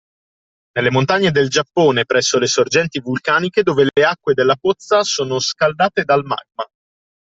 Nelle montagne del Giappone presso le sorgenti vulcaniche dove le acque della pozza sono scaldate del magma